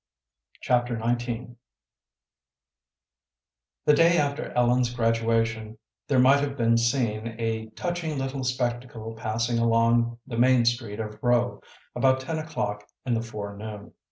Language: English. Chapter XIX The day after Ellen's graduation there might have been seen a touching little spectacle passing along the main street of Rowe about ten o'clock in the fore noon.